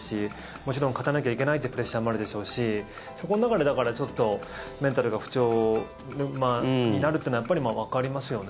もちろん勝たなきゃいけないというプレッシャーもあるでしょうしそこの中でちょっとメンタルが不調になるのはわかりますよね。